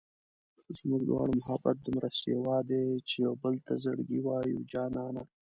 زموږ دواړو محبت دومره سېوا دی چې و يوبل ته زړګی وایو جانانه